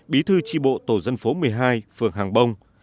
bí thư tri bộ tổ dân phố một mươi hai phường hàng bông